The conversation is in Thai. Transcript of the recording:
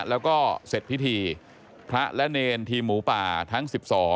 แล้วก็เสร็จพิธีพระและเนรทีมหมูป่าทั้ง๑๒